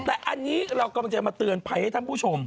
แต่อันนี้เรากำลังจะมาเตือนภัยให้ท่านผู้ชม